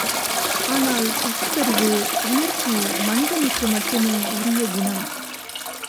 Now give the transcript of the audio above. ஆனால், பகுத்தறிவு உணர்ச்சி மனிதனுக்கு மட்டுமே உரிய குணம்.